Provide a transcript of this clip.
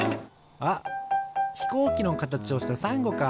あっひこうきのかたちをしたさんごか。